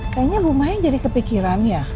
kayaknya bu mayang jadi kepikiran ya